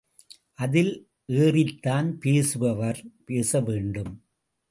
அதில் ஏறித்தான் பேசுபவர் பேசவேண்டும்.